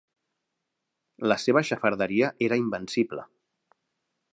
La seva xafarderia era invencible.